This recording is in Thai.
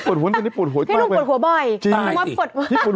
คุณปวดหัวพี่ปวด